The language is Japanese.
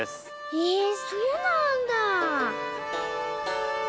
へえそうなんだあ！